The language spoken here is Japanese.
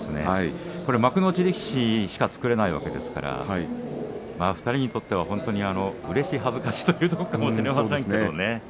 幕内力士しか作れないわけですから２人にとってはうれし恥ずかしそういうところかもしれませんね。